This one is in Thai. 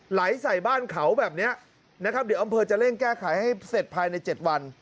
ไหลใส่บ้านเขาแบบนี้นะครับเดี๋ยวอำเภอจะเร่งแก้ไขให้เสร็จภายใน๗วัน